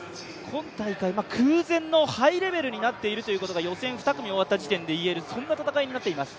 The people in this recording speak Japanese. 今大会、空前のハイレベルになっているということが予選２組終わった時点で言えるそんな戦いになっています。